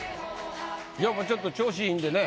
やっぱちょっと調子いいんでね。